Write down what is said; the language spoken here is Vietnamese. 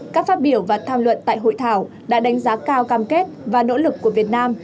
các phát biểu và tham luận tại hội thảo đã đánh giá cao cam kết và nỗ lực của việt nam